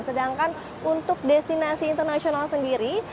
sedangkan untuk destinasi internasional sendiri